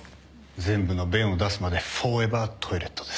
全部の便を出すまでフォーエバートイレットです。